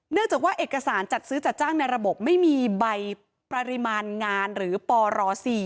เนื่องจากว่าเอกสารจัดซื้อจัดจ้างในระบบไม่มีใบปริมาณงานหรือปร๔